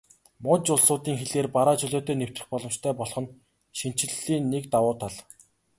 Муж улсуудын хилээр бараа чөлөөтэй нэвтрэх боломжтой болох нь шинэчлэлийн нэг давуу тал.